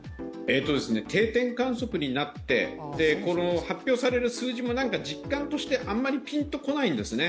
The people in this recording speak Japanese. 定点観測になって、発表される数字も実感としてあんまりピンと来ないんですね。